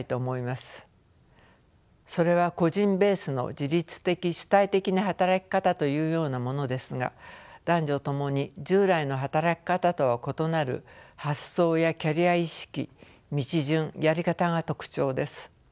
それは個人ベースの自律的主体的な働き方というようなものですが男女ともに従来の働き方とは異なる発想やキャリア意識道順やり方が特徴です。